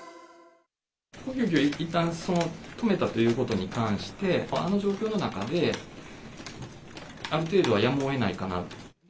呼吸器をいったん止めたということに関して、あの状況の中で、ある程度は、やむをえないかなと。